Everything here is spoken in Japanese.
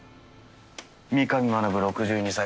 三神学６２歳。